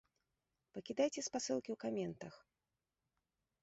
Пакідайце спасылкі ў каментах!